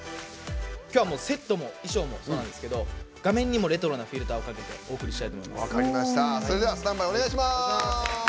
セットも衣装もそうなんですけど画面にもレトロなフィルターをかけてお届けしたいと思います。